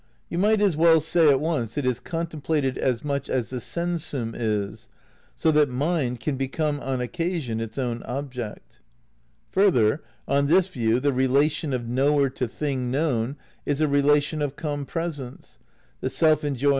You might as well say at once it is contemplated as much as the sensum is, so that mind can become on occasion its own object. Further, on this view the relation of knower to thing known is a relation of "compresence"; the self enjoy ' Space, Time and Deity, Vol.